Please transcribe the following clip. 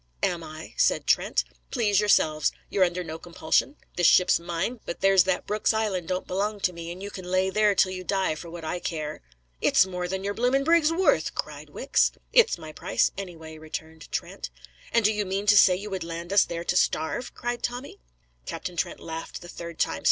"Am I?" said Trent. "Please yourselves. You're under no compulsion. This ship's mine, but there's that Brooks Island don't belong to me, and you can lay there till you die for what I care." "It's more than your blooming brig's worth!" cried Wicks. "It's my price anyway," returned Trent. "And do you mean to say you would land us there to starve?" cried Tommy. Captain Trent laughed the third time.